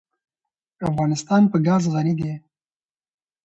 افغانستان په ګاز غني دی.